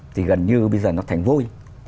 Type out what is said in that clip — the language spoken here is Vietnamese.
thì gần như bây giờ nó thành vôi